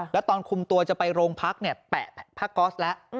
แล้วตอนคุมตัวจะไปโรงพักเนี่ยแปะผ้าก๊อสแล้ว